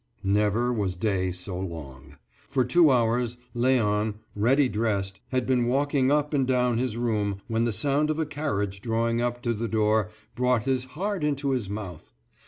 Never was day so long. For two hours Léon, ready dressed, had been walking up and down his room when the sound of a carriage drawing up to the door brought his heart into his mouth.